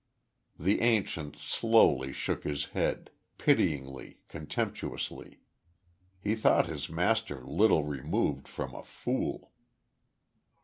The ancient slowly shook his head pityingly, contemptuously. He thought his master little removed from a fool.